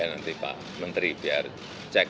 terima kasih oke terima kasih